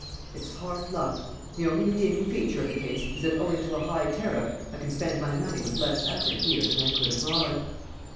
It's hard luck. The only redeeming feature of the case is that owing to a high tariff I can spend my money with less effort here than I could abroad."